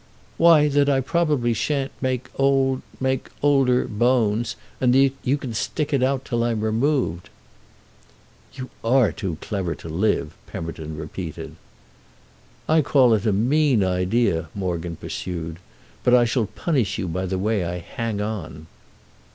"Why that I probably shan't make old—make older—bones, and that you can stick it out till I'm removed." "You are too clever to live!" Pemberton repeated. "I call it a mean idea," Morgan pursued. "But I shall punish you by the way I hang on."